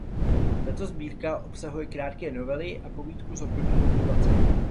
Tato sbírka obsahuje krátké novely a povídku z období okupace.